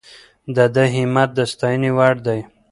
د ده همت د ستاینې وړ دی.